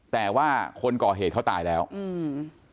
แต่ว่าคนก่อเหตุเขาตายแล้วอืม